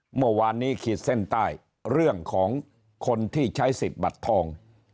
เมื่อวานนี้ขีดเส้นใต้เรื่องของคนที่ใช้สิทธิ์บัตรทอง